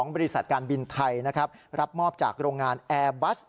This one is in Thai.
บริษัทการบินไทยนะครับรับมอบจากโรงงานแอร์บัส